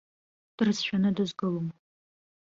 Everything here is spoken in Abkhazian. Дрыцәшәаны дызгылом.